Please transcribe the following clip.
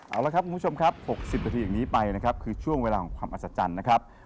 เอาละครับคุณผู้ชมครับ๖๐นาทีอย่างนี้ไปนะครับคือช่วงเวลาของความอัศจรรย์นะครับ